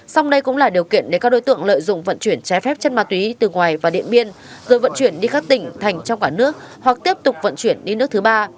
xong đây cũng là điều kiện để các đối tượng lợi dụng vận chuyển trái phép chất ma túy từ ngoài và điện biên rồi vận chuyển đi các tỉnh thành trong cả nước hoặc tiếp tục vận chuyển đi nước thứ ba